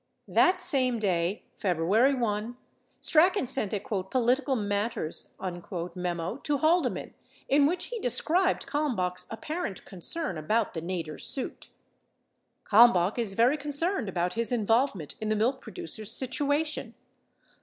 48 That same day, February 1, Strachan sent a "Political Matters" memo to Haldeman in which he described Kalmbach's apparent concern about the Nader suit :..., Kalmbach is very concerned about his involvement m the milk producers situation.